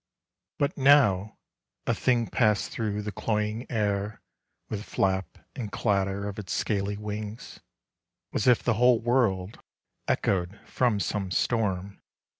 But now, a thing passed through the cloying air With flap and clatter of its scaly wings — As if the whole world echoed from some storm.